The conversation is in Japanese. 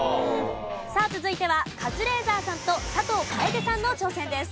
さあ続いてはカズレーザーさんと佐藤楓さんの挑戦です。